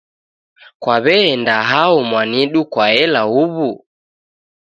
Kwawe'nda hao mwanidu kwaela huw'u?